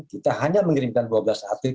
kita hanya mengirimkan dua belas atlet